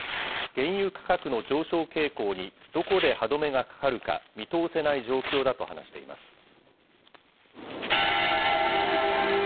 原油価格の上昇傾向にどこで歯止めがかかるか、見通せない状況だと話しています。